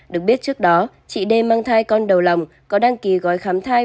được biết trước đó chị dê mang thai con đầu lòng có đăng ký gói khám thai